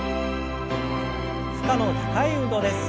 負荷の高い運動です。